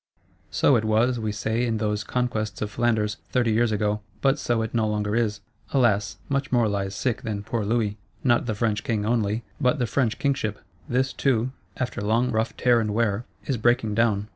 So it was, we say, in those conquests of Flanders, thirty years ago: but so it no longer is. Alas, much more lies sick than poor Louis: not the French King only, but the French Kingship; this too, after long rough tear and wear, is breaking down.